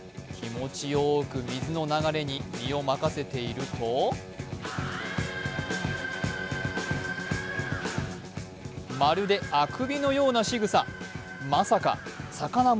気持ちよく水の流れに身を任せているとまるで、あくびのようなしぐさ。